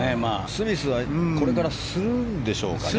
スミスはこれからするんでしょうかね。